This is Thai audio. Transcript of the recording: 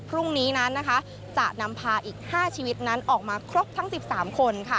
พรุ่งนี้นั้นจะนำพาอีก๕ชีวิตนั้นออกมาครบทั้ง๑๓คน